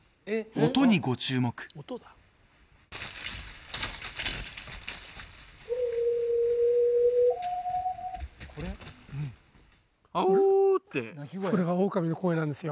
音にご注目「アウー」ってそれがオオカミの声なんですよ